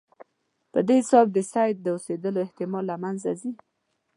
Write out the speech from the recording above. په دې حساب د سید د اوسېدلو احتمال له منځه ځي.